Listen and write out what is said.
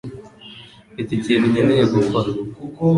Mfite ikintu nkeneye gukora